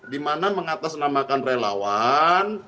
dimana mengatasnamakan relawan